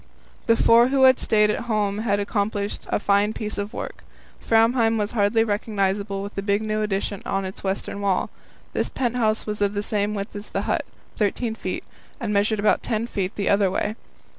The four who had stayed at home had accomplished a fine piece of work. Framheim was hardly recognizable with the big new addition on its western wall. This pent house was of the same width as the hut 13 feet and measured about 10 feet the other way.